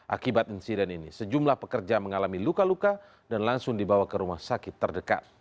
akibat insiden ini sejumlah pekerja mengalami luka luka dan langsung dibawa ke rumah sakit terdekat